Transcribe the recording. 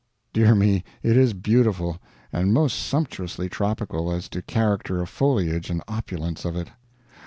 Dear me, it is beautiful! And most sumptuously tropical, as to character of foliage and opulence of it.